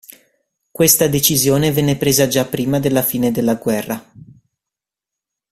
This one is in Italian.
Questa decisione venne presa già prima della fine della guerra.